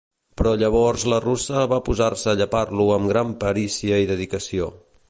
Però llavors la russa va posar-se a llepar-lo amb gran perícia i dedicació.